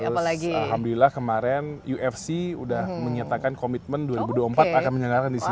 alhamdulillah kemarin ufc sudah menyatakan komitmen dua ribu dua puluh empat akan menyelenggarakan di sini